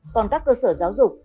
còn các cơ sở giáo dục